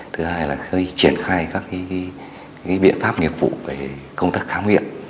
để triển khai các biện pháp nghiệp vụ về công thức khám nghiệm